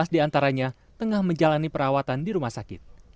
enam belas di antaranya tengah menjalani perawatan di rumah sakit